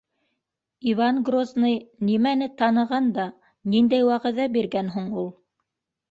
Иван Грозный нимәне таныған да, ниндәй вәғәҙә биргән һуң ул?